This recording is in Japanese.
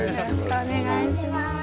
よろしくお願いします。